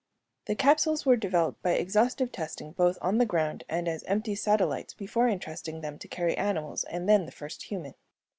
The capsules were developed by exhaustive testing both on the ground and as empty satellites before entrusting them to carry animals and then the first human.